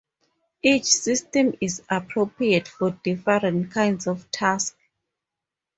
Each system is appropriate for different kinds of tasks.